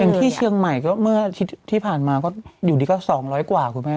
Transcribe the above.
อย่างที่เชียงใหม่ที่ผ่านมาอยู่ดีกว่า๒๐๐กว่าคุณแม่